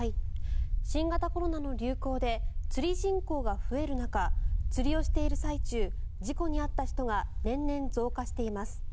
新型コロナの流行で釣り人口が増える中釣りをしている最中事故に遭った人が年々、増加しています。